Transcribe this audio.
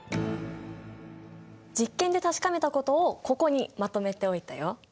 実験で確かめたことをここにまとめておいたよ。